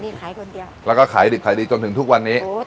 นี่ขายคนเดียวแล้วก็ขายดิบขายดีจนถึงทุกวันนี้โอ้